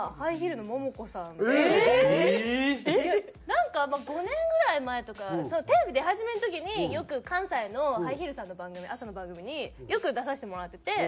なんか５年ぐらい前とかテレビ出始めの時によく関西のハイヒールさんの番組朝の番組によく出させてもらってて。